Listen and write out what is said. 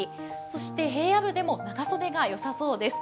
そして平野部でも長袖がよさそうです。